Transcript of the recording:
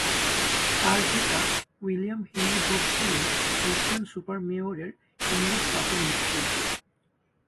তার পিতা William Henry Hope ছিলেন ওয়েস্টন-সুপার-মেয়ারের ইংরেজ পাথরমিস্ত্রী।